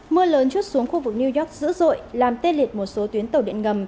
mưa lớn chút xuống khu vực new york dữ dội làm tê liệt một số tuyến tàu điện ngầm